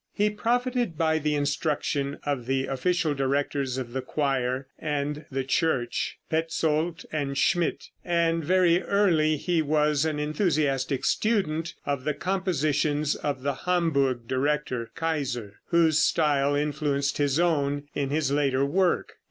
He profited by the instruction of the official directors of the choir and the church, Petzold and Schmidt, and very early he was an enthusiastic student of the compositions of the Hamburg director, Keiser, whose style influenced his own in his later work.